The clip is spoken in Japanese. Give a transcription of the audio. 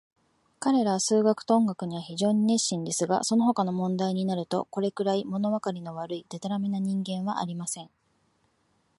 彼等は数学と音楽には非常に熱心ですが、そのほかの問題になると、これくらい、ものわかりの悪い、でたらめな人間はありません。